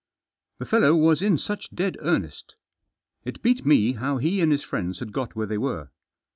The fellow was in such dead earnest. It beat me how he and his friends had got where they were.